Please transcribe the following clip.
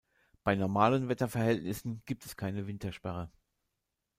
Bei normalen Wetterverhältnissen gibt es keine Wintersperre.